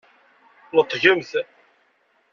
Neṭgemt!